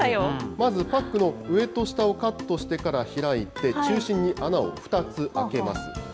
まず、パックの上と下をカットしてから開いて、中心に穴を２つ開けます。